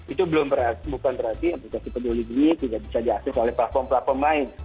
itu bukan berarti aplikasi peduli ini tidak bisa diakses oleh platform platform lain